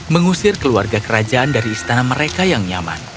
mengusir keluarga kerajaan dari istana mereka yang nyaman